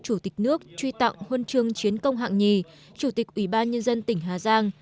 chủ tịch nước truy tặng huân chương chiến công hạng nhì chủ tịch ủy ban nhân dân tỉnh hà giang